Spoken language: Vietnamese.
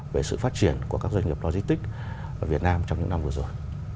về sự phát triển của các doanh nghiệp logistics ở việt nam trong những năm vừa rồi